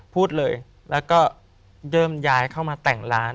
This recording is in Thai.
พูดเลยแล้วก็เริ่มย้ายเข้ามาแต่งร้าน